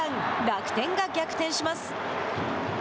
楽天が逆転します。